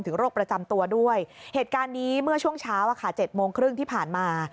โรคประจำตัวด้วยเหตุการณ์นี้เมื่อช่วงเช้า๗โมงครึ่งที่ผ่านมา